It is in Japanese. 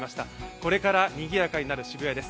これからにぎやかになる渋谷です。